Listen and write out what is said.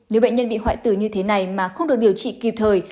nếu bệnh nhân bị hoại tử như thế này mà không được điều trị kịp thời